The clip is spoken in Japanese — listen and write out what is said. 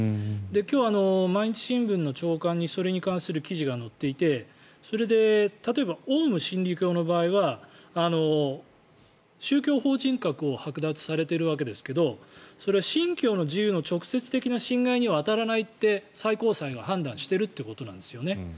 今日、毎日新聞の朝刊にそれに関する記事が載っていてそれで例えばオウム真理教の場合は宗教法人格をはく奪されているわけですけれどそれは信教の自由の直接的な侵害には当たらないって最高裁が判断しているということなんですね。